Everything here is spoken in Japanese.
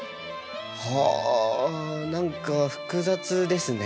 あ何か複雑ですね。